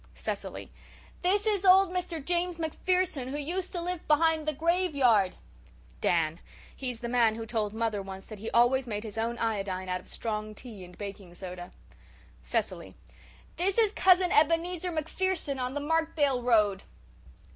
CECILY: "This is old Mr. James MacPherson who used to live behind the graveyard." DAN: "He's the man who told mother once that he always made his own iodine out of strong tea and baking soda." CECILY: "This is Cousin Ebenezer MacPherson on the Markdale road."